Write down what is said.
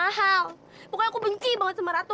barang barang mahal pokoknya aku benci banget sama ratu